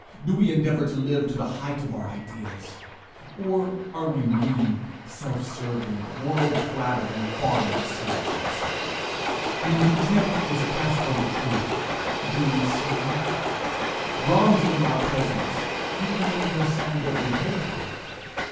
Do we endeavour to live to the height of our ideas? Or are we mean, self serving, world flattering, fawning slaves? When contempt is cast on the truth, do we smile? Wronged in our presence, do we make no sign that we hold by it?